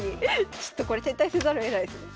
ちょっとこれ撤退せざるをえないですね。